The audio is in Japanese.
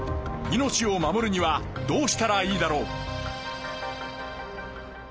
命を守るにはどうしたらいいだろう？